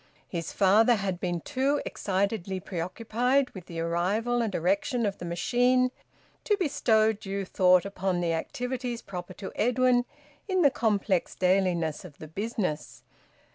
His father had been too excitedly preoccupied with the arrival and erection of the machine to bestow due thought upon the activities proper to Edwin in the complex dailiness of the business.